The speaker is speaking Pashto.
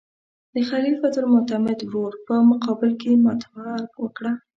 د خلیفه المعتمد ورور په مقابل کې یې ماته وکړه.